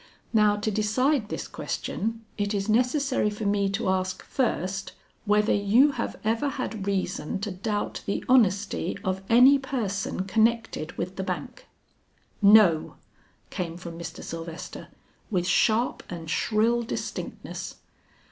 Now to decide this question it is necessary for me to ask first, whether you have ever had reason to doubt the honesty of any person connected with the bank?" "No," came from Mr. Sylvester with sharp and shrill distinctness.